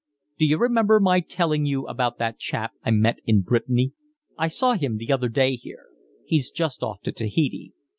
"D'you remember my telling you about that chap I met in Brittany? I saw him the other day here. He's just off to Tahiti.